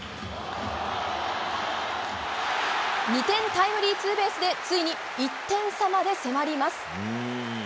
２点タイムリーツーベースヒットでついに１点差まで迫ります。